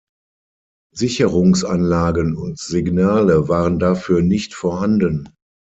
Sicherungsanlagen und Signale waren dafür nicht vorhanden.